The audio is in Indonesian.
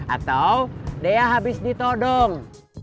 atau dia habis ditodong